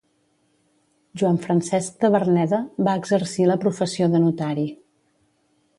Joan Francesc de Verneda va exercir la professió de notari.